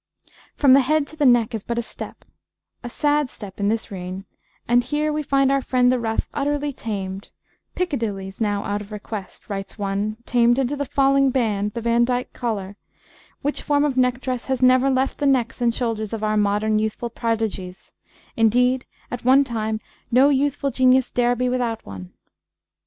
From the head to the neck is but a step a sad step in this reign and here we find our friend the ruff utterly tamed; 'pickadillies, now out of request,' writes one, tamed into the falling band, the Vandyck collar, which form of neck dress has never left the necks and shoulders of our modern youthful prodigies; indeed, at one time, no youthful genius dare be without one.